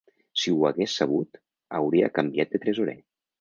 Si ho hagués sabut, hauria canviat de tresorer.